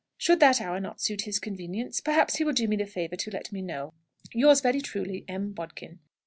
Should that hour not suit his convenience, perhaps he will do me the favour to let me know. "Yours very truly, "M. BODKIN."